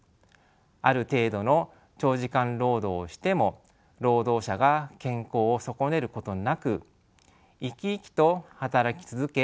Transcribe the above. ある程度の長時間労働をしても労働者が健康を損ねることなく生き生きと働き続け